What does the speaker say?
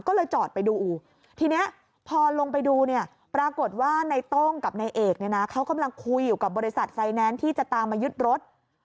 ก็เลยจอดไปดูทีนี้พอลงไปดูเนี่ยปรากฏว่าในโต้งกับนายเอกเนี่ยนะเขากำลังคุยอยู่กับบริษัทไฟแนนซ์ที่จะตามมายึดรถ